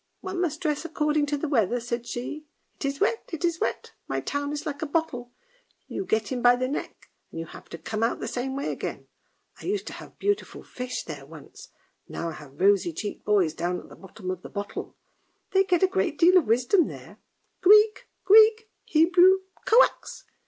" One must dress according to the weather! " said she. " It is wet, it is wet, my town is like a bottle, you get in by the neck, and you have to come out the same way again ! I used to have beautiful fish x there once, now I have rosy cheeked boys down at the bottom of the bottle; they get a great deal of wisdom there; Greek! Greek! 2 Hebrew! koax!"